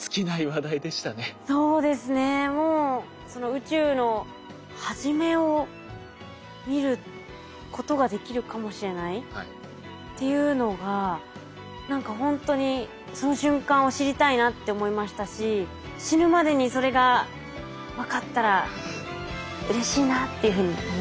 宇宙のはじめを見ることができるかもしれないっていうのが何かほんとにその瞬間を知りたいなって思いましたし死ぬまでにそれが分かったらうれしいなっていうふうに思いました。